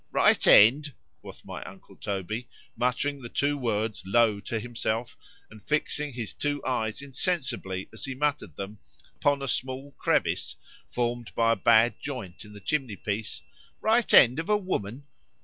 —Right end! quoth my uncle Toby, muttering the two words low to himself, and fixing his two eyes insensibly as he muttered them, upon a small crevice, formed by a bad joint in the chimney piece——Right end of a woman!